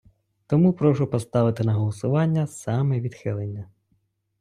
Тому прошу поставити на голосування саме відхилення.